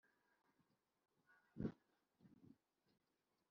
ku rubiniro rwo kubyina inkwi,